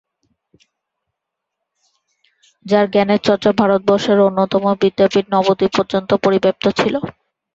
যার জ্ঞানের চর্চা ভারতবর্ষের অন্যতম বিদ্যাপীঠ নবদ্বীপ পর্যন্ত পরিব্যাপ্ত ছিল।